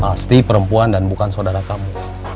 pasti perempuan dan bukan saudara kamu